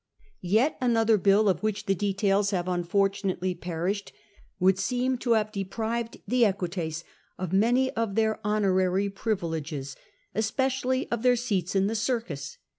Yet another biU, of which the details have unfortunately perished, would seem to have deprived the Equites of many of their honorary privileges, especially of their seats in the circus.